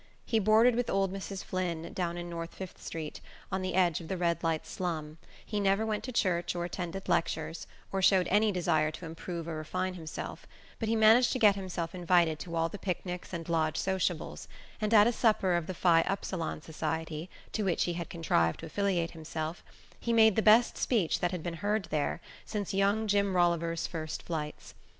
He boarded with old Mrs. Flynn, down in North Fifth Street, on the edge of the red light slum, he never went to church or attended lectures, or showed any desire to improve or refine himself; but he managed to get himself invited to all the picnics and lodge sociables, and at a supper of the Phi Upsilon Society, to which he had contrived to affiliate himself, he made the best speech that had been heard there since young Jim Rolliver's first flights.